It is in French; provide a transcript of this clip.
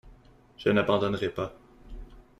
Je n’abandonnerai pas.